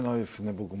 僕も。